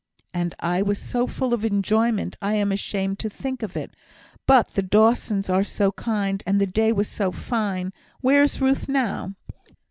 "And I was so full of enjoyment, I am ashamed to think of it. But the Dawsons are so kind and the day was so fine Where is Ruth now?"